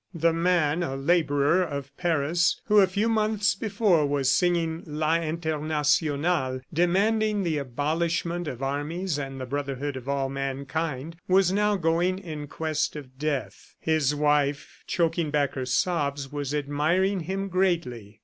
The man, a laborer of Paris, who a few months before was singing La Internacional, demanding the abolishment of armies and the brotherhood of all mankind, was now going in quest of death. His wife, choking back her sobs, was admiring him greatly.